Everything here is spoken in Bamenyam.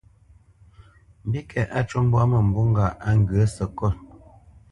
Mbîkɛ́t á cû mbwǎ mə̂mbû ŋgâʼ á ŋgyə̂ səkót.